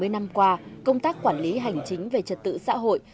bảy mươi năm qua công tác quản lý hành chính về trật tự xã hội